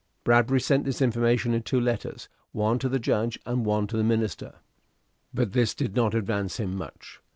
Bradbury sent this information in two letters, one to the Judge, and one to the minister. But this did not advance him much.